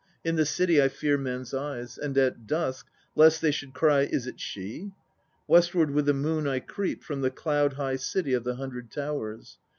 In the City I fear men's eyes, And at dusk, lest they should cry "Is it she?" Westward with the moon I creep From the cloud high City of the Hundred Towers.